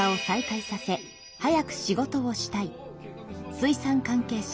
水産関係者